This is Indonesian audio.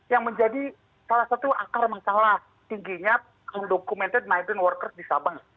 yang menjadi salah satu akar masalah tingginya fulldocumented nighting workers di sabang